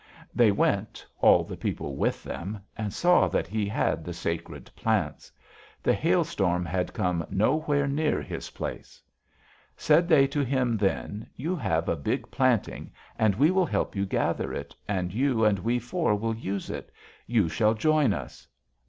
"They went, all the people with them, and saw that he had the sacred plants. The hailstorm had come nowhere near his place. "Said they to him then: 'You have a big planting, and we will help you gather it, and you and we four will use it. You shall join us.'